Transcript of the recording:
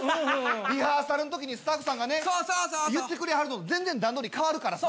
リハーサルのときにスタッフさんがね言ってくれはるのと全然段取り変わるからさ。